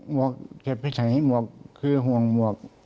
หมวกทรัพย์ไษหมวกคือห่วงหมวก